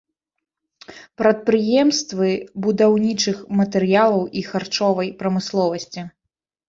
Прадпрыемствы будаўнічых матэрыялаў і харчовай прамысловасці.